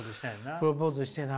プロポーズしてな。